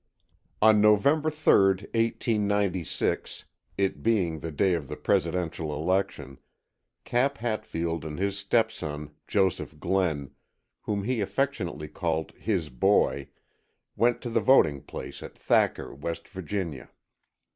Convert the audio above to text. On November 3rd, 1896, it being the day of the Presidential election, Cap Hatfield and his stepson, Joseph Glenn, whom he affectionately called "his boy," went to the voting place at Thacker, West Virginia.